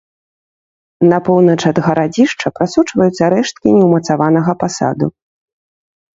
На поўнач ад гарадзішча прасочваюцца рэшткі неўмацаванага пасаду.